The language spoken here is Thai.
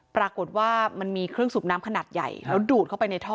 ปรากฏว่ามันมีเครื่องสูบน้ำขนาดใหญ่แล้วดูดเข้าไปในท่อ